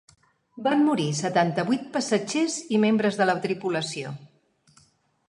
Van morir setanta-vuit passatgers i membres de la tripulació.